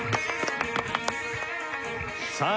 さあ